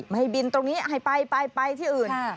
ให้บินตรงนี้ให้ไปไปที่อื่น